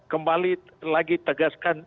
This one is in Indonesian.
kembali lagi tegaskan